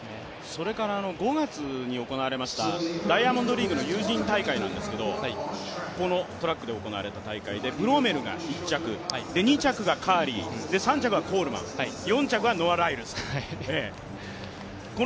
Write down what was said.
それから５月に行われましたダイヤモンドリーグのユージーン大会ですが、このトラックで行われた大会でブロメルが１着、２着がカーリー３着はコールマン４着がノア・ライルズという。